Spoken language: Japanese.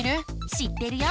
知ってるよ！